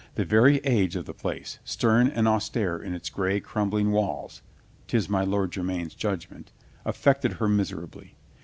The very age of the place, stern and austere in its gray, crumbling walls ('tis my Lord Jermyn's judgment) affected her miserably.